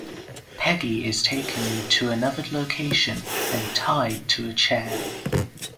Peggy is taken to another location and tied to a chair.